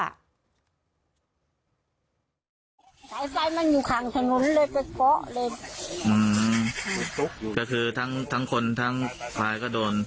สายไฟมันอยู่ข้างถนนเลยไปเกาะเลยอืมก็คือทั้งทั้งคนทั้งควายก็โดน